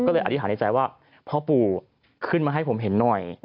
ก็เลยอธิษฐานในใจว่าพ่อปู่ขึ้นมาให้ผมเห็นหน่อย